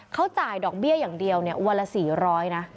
เขาจ่ายดอกเบี้ยอย่างเดียวเนี่ยวันละสี่ร้อยนะ